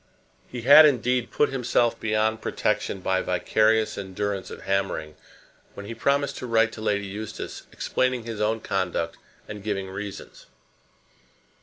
He had, indeed, put himself beyond protection by vicarious endurance of hammering when he promised to write to Lady Eustace, explaining his own conduct and giving reasons.